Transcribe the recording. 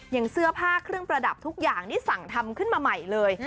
อย่างเสื้อผ้าเครื่องประดับทุกอย่างนี่สั่งทำขึ้นมาใหม่เลย